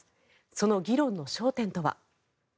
その議論の焦点とは。